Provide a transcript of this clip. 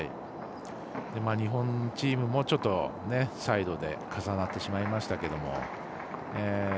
日本チームもちょっとサイドで重なってしまいましたけど。